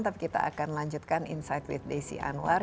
tapi kita akan lanjutkan insight with desi anwar